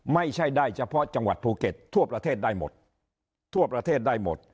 ไม่ใช่ได้เฉพาะจังหวัดภูเก็ตทั่วประเทศได้หมด